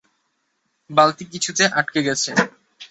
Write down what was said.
বালতি কিছুতে আটকে গেছে।